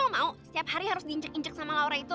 gue mau setiap hari harus diincek incek sama laura itu